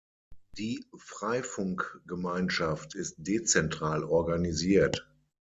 Die Freifunk-Gemeinschaft ist dezentral organisiert.